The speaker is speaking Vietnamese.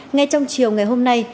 ngay trong chiều ngày hôm nay